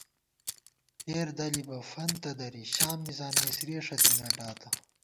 ٹېر دَلِبہ فنتہ درِی شام مِزان مسرِیَہ ݭڅی نَٹاتہ